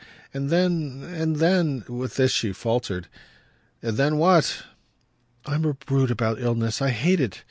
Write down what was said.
And then and then " But with this she faltered. "And then what?" "I'm a brute about illness. I hate it.